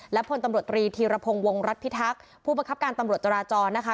และพลตำรวจตรีธีรพงศ์วงรัฐพิทักษ์ผู้บังคับการตำรวจจราจรนะคะ